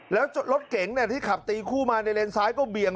แล้วรถเก๋งที่ขับตีคู่มาในเลนซ้ายก็เบี่ยง